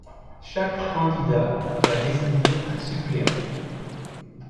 Chaque candidat doit désigner un suppléant.